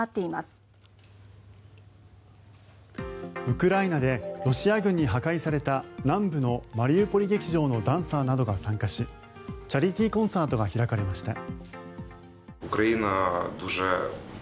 ウクライナでロシア軍に破壊された南部のマリウポリ劇場のダンサーなどが参加しチャリティーコンサートが開かれました。